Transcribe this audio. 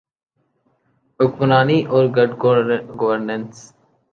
حکمرانی اورگڈ گورننس۔